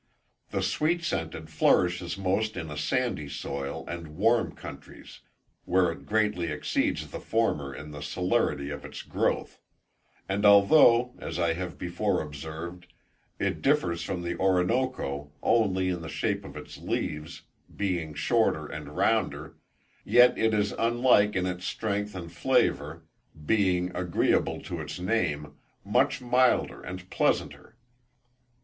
The sweet scented flourishes most in a sandy soil and warm countries, where it greatly exceeds the former in the celerity of its growth; and although, as I have before observed, it differs from the Oronokoe only in the shape of its leaves, being shorter and rounder, yet it is unlike in its strength and flavour, being, agreeable to its name, much milder and pleasanter.